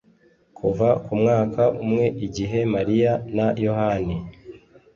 kuva ku mwaka umwe igihe mariya na yohani